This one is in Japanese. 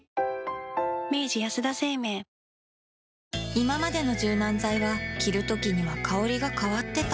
いままでの柔軟剤は着るときには香りが変わってた